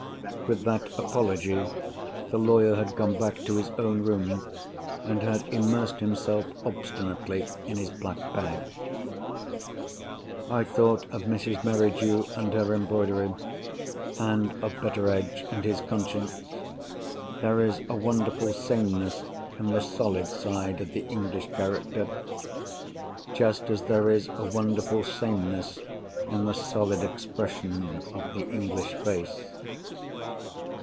With that apology, the lawyer had gone back to his own room, and had immersed himself obstinately in his black bag. I thought of Mrs. Merridew and her embroidery, and of Betteredge and his conscience. There is a wonderful sameness in the solid side of the English character—just as there is a wonderful sameness in the solid expression of the English face.